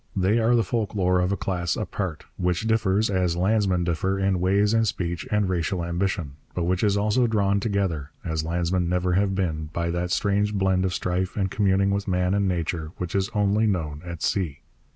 They are the folklore of a class apart, which differs, as landsmen differ, in ways and speech and racial ambition, but which is also drawn together, as landsmen never have been, by that strange blend of strife and communing with man and nature which is only known at sea.